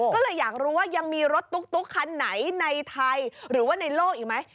ก็เลยอยากรู้ว่ายังมีรถตุ๊กคันไหนในไทยหรือว่าในโลกอีกไหม